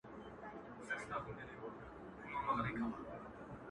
• چي د ملا خبري پټي ساتي.